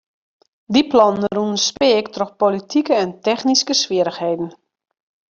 Dy plannen rûnen speak troch politike en technyske swierrichheden.